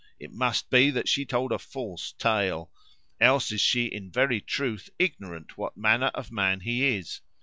It must be that she told a false tale: else is she in very truth ignorant what manner of man he is.